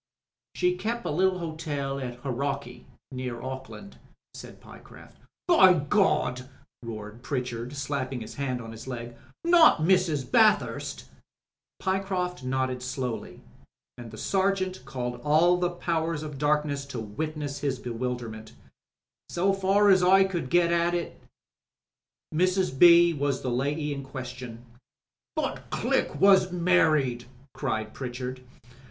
"She kep' a little hotel at Hauraki — ^near Auckland," said Pyecroft. "By Gawd I" roared Pritchard, slapping his hand on his leg. " Not Mrs. Bathurst !" Pyecroft nodded slowly, and the Sergeant called 322 TRAFFICS AND DISCOVERIES all the powers of darkness to witness his bewilder* ment ''So far as I could get at it Mrs. B. was the lady in question." "But Click was married," cried Pritchard.